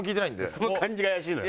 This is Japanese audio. その感じが怪しいのよ。